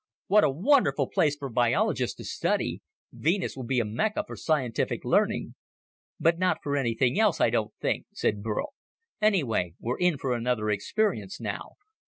"What a wonderful place for biologists to study! Venus will be a Mecca for scientific learning!" "But not for anything else, I don't think," said Burl. "Anyway, we're in for another experience now.